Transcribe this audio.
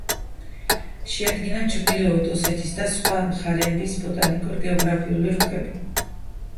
შეადგინა ჩრდილოეთ ოსეთის და სხვა მხარეების ბოტანიკურ-გეოგრაფიული რუკები.